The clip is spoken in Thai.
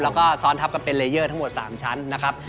แล้วก็ซ้อนทับกันเป็นเลเยอร์ทั้งหมด๓ชั้นนะครับ